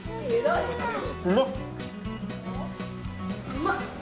うまっ！